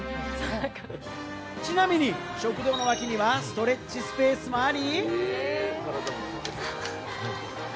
ちなみに食堂の脇にはストレッチスペースもあり。